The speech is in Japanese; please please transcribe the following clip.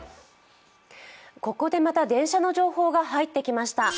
ここでまた電車の情報が入ってきました。